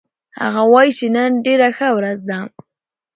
هغه وایي چې نن ډېره ښه ورځ ده